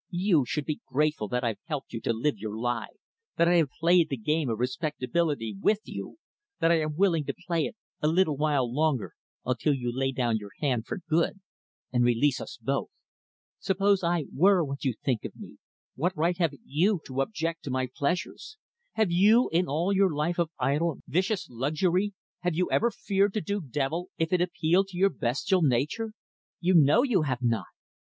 You should be grateful that I have helped you to live your lie that I have played the game of respectability with you that I am willing to play it a little while longer, until you lay down your hand for good, and release us both. "Suppose I were what you think me? What right have you to object to my pleasures? Have you in all your life of idle, vicious, luxury have you ever feared to do evil if it appealed to your bestial nature? You know you have not.